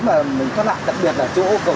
mà mình có lạc đặc biệt ở chỗ cầu trang